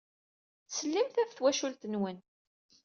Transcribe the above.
Ttsellimet ɣef twacult-nwen.